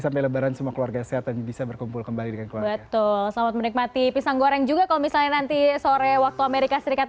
selamat menikmati pisang goreng juga kalau misalnya nanti sore waktu amerika serikat